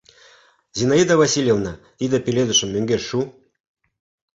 Зинаида Васильевна, тиде пеледышым мӧҥгеш шу.